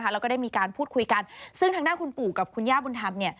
แล้วก็ได้มีการพูดคุยกันซึ่งทางด้านคุณปู่กับคุณย่าบุญธรรม